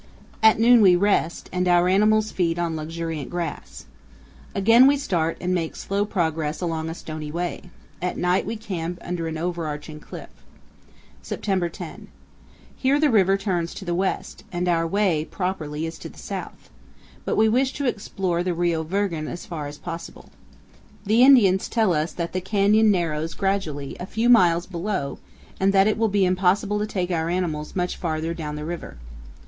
At noon we rest and our animals feed on luxuriant grass. Again we start and make slow progress along a stony way. At night we camp under an overarching cliff. September 10. Here the river turns to the west, and our way, properly, is to the south; but we wish to explore the Rio Virgen as far as possible. The Indians tell us that the canyon narrows gradually a few miles below and that it will be impossible to take our animals much farther down the river.